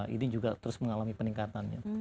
ini juga terus mengalami peningkatannya